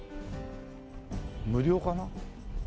無料かな？